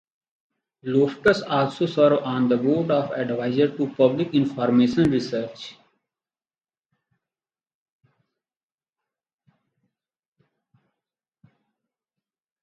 Loftus also serves on the Board of Advisers to Public Information Research.